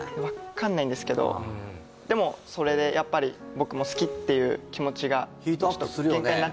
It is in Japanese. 分かんないんですけどでもそれでやっぱり僕も好きっていう気持ちがヒートアップするよね